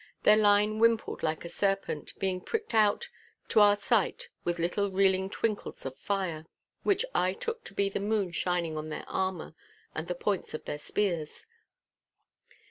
Their line wimpled like a serpent, being pricked out to our sight with little reeling twinkles of fire, which I took to be the moon shining on their armour and the points of their spears.